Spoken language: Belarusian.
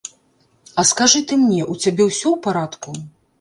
А скажы ты мне, у цябе ўсё ў парадку?